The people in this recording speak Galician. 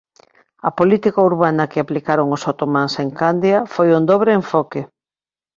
A política urbana que aplicaron os otománs en Candia foi un dobre enfoque.